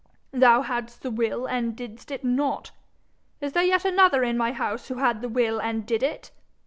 'Thou hadst the will and didst it not! Is there yet another in my house who had the will and did it?'